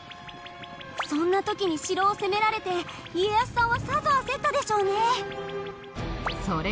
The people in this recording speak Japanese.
そんな時に城を攻められて家康さんはさぞ焦ったでしょうね。